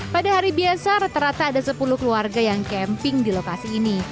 pada hari biasa rata rata ada sepuluh keluarga yang camping di lokasi ini